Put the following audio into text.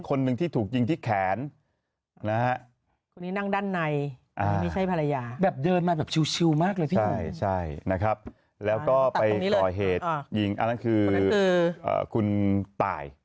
คนหนึ่งที่ถูกยิงที่แขนนะครับนี่นั่งด้านในใช้ภรรยาแบบเดินชิวมากเลยใช่นะครับแล้วก็ไปต่อเหตุยิงคุณต่าย